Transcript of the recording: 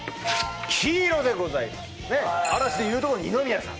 黄色でございますね嵐でいうと二宮さん